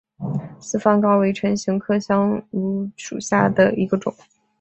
四方蒿为唇形科香薷属下的一个种。